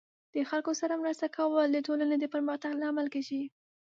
د خلکو سره مرسته کول د ټولنې د پرمختګ لامل کیږي.